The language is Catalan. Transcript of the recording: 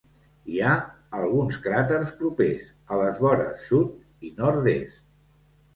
Hi ha alguns cràters propers a les vores sud i nord-est.